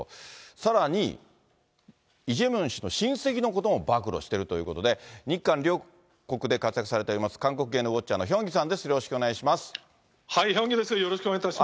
さらに、イ・ジェミョン氏の親戚のことも暴露してるということで、日韓両国で活躍されております、韓国芸能ウォッチャーのヒョンギさんです、よろしくお願いします。